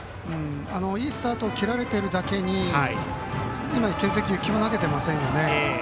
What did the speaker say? いいスタートを切られているだけに今、けん制球１球も投げていませんよね。